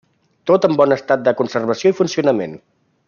Tot en bon estat de conservació i funcionament.